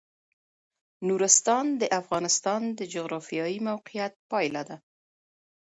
نورستان د افغانستان د جغرافیایي موقیعت پایله ده.